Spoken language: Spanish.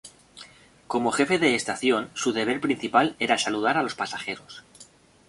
Como jefe de estación su deber principal era saludar a los pasajeros.